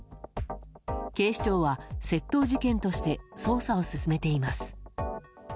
警視庁は窃盗事件として捜査を進めています。